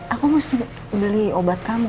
aku mesti beli obat kamu